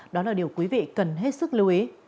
đó là điều quý vị cần hết sức lưu ý